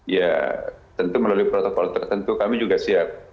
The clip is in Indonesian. ya tentu melalui protokol tertentu kami juga siap